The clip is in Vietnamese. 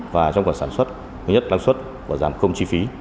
và trong khoản sản xuất nhất là sản xuất của giảm không chi phí